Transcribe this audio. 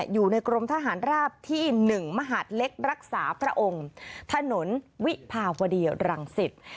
อยู่ในกรมทหารราบที่๑มหาดเล็กรักษาพระองค์ถนนวิภาวดีรังสิต